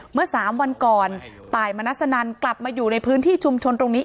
เมื่อสามวันก่อนตายมณัสนันกลับมาอยู่ในพื้นที่ชุมชนตรงนี้